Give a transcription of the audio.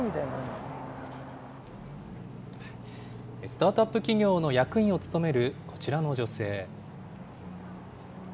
スタートアップ企業の役員を務めるこちらの女性。